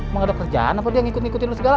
mau ada kerjaan apa dia ngikutin lu segala